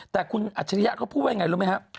แต่คุณอัจฉริยะเขาพูดว่าอย่างไรรู้ไหมครับ